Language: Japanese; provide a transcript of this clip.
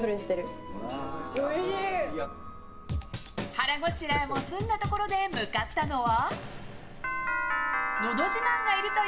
腹ごしらえも済んだところで向かったのは。